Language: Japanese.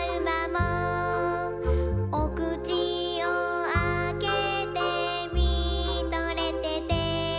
「おくちをあけてみとれてて」